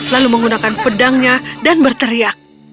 lalu menggunakan pedangnya dan berteriak